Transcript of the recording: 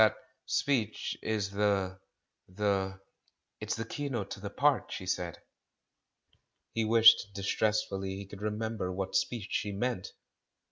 That speech is the — the " "It's the keynote to the part," she said. He wished distressfully he could remember what speech she meant.